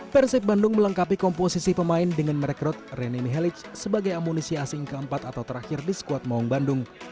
persib bandung melengkapi komposisi pemain dengan merekrut renehelic sebagai amunisi asing keempat atau terakhir di skuad maung bandung